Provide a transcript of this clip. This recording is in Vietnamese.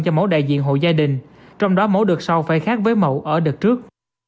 cho mẫu đại diện hộ gia đình trong đó mẫu được sau phải khác với mẫu ở đợt trước